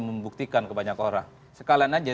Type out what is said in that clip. membuktikan kebanyakan orang sekalian aja